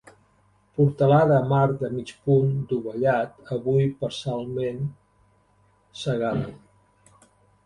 Portalada amb arc de mig punt dovellat, avui parcialment cegada.